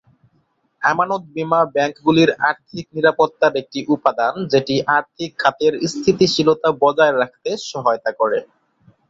আমানত বীমা ব্যাংকগুলির আর্থিক নিরাপত্তার একটি উপাদান যেটি আর্থিক খাতের স্থিতিশীলতা বজায় রাখতে সহায়তা করে।